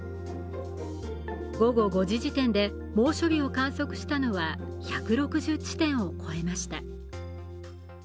午後５時時点で猛暑日を観測したのは１６０地点を超えました。